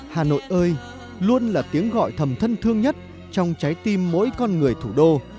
hà nội ơi luôn là tiếng gọi thầm thân thương nhất trong trái tim mỗi con người thủ đô